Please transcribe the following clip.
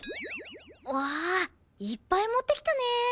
わあいっぱい持ってきたね。